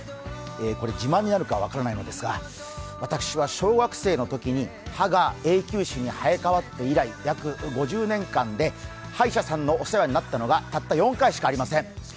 これ、自慢になるか分からないんですが私は小学生の時に歯が永久歯に生えかわって以来、約５０年間で歯医者さんのお世話になったのがたった４回しかありません。